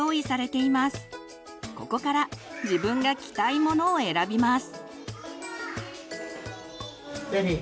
ここから自分が着たいものを選びます。